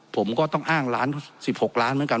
ผมก็ต้องอ้างล้าน๑๖ล้านเหมือนกัน